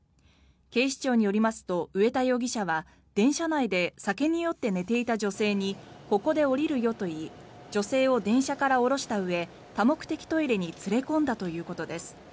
警視庁によりますと上田容疑者は電車内で酒に酔って寝ていた女性にここで降りるよと言い女性を電車から降ろしたうえ多目的トイレに連れ込んだということです。